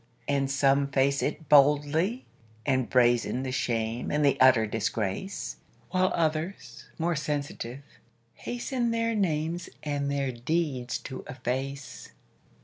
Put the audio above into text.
And some face it boldly, and brazen The shame and the utter disgrace; While others, more sensitive, hasten Their names and their deeds to efface.